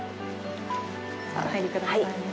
お入りくださいませ。